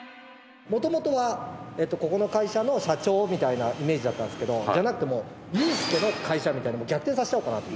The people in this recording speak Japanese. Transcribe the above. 元々はここの会社の社長みたいなイメージだったんですけどじゃなくてもうユースケの会社みたいな逆転させちゃおうかなと。